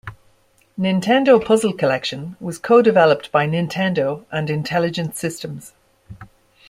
"Nintendo Puzzle Collection" was co-developed by Nintendo and Intelligent Systems.